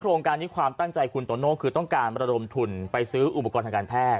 โครงการนี้ความตั้งใจคุณโตโน่คือต้องการระดมทุนไปซื้ออุปกรณ์ทางการแพทย